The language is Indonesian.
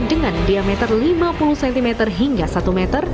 dengan diameter lima puluh cm hingga satu meter